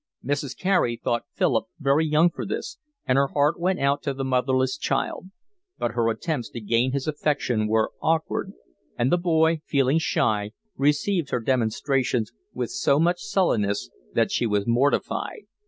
Mrs. Carey thought Philip very young for this, and her heart went out to the motherless child; but her attempts to gain his affection were awkward, and the boy, feeling shy, received her demonstrations with so much sullenness that she was mortified.